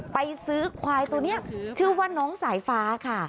ไปซื้อควายตัวนี้ชื่อว่าน้องสายฟ้าค่ะ